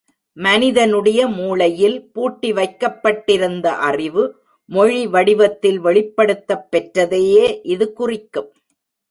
மனிதனுடைய மூளையில் பூட்டி வைக்கப்பட்டிருந்த அறிவு, மொழி வடிவத்தில் வெளிப்படுத்தப்பெற்றதையே இது குறிக்கும்.